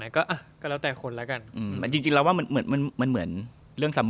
เออแต่ที่แน่คือ